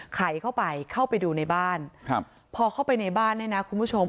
ไขเข้าไปเข้าไปดูในบ้านครับพอเข้าไปในบ้านเนี่ยนะคุณผู้ชม